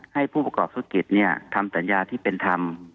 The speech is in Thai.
ให้ผู้ประกอบธุรกิจทำสัญญาที่เป็นธรรม